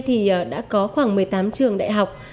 thì đã có khoảng một mươi tám trường đại học